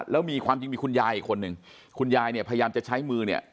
แล้วมีความจริงมีคุณยายอีกคนนึงคุณยายเนี่ยพยายามจะใช้มือเนี่ย